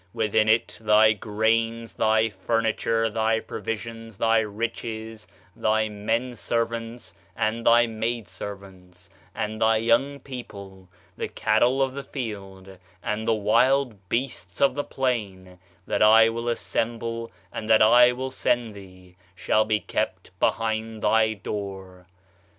Within it, thy grains, thy furniture, thy provisions, thy riches, thy men servants, and thy maid servants, and thy young people the cattle of the field, and the wild beasts of the plain that I will assemble and that I will send thee, shall be kept behind thy door."